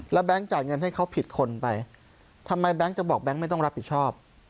แล้วแบงค์จ่ายเงินให้เขาผิดคนไปทำไมแบงค์จะบอกแก๊งไม่ต้องรับผิดชอบ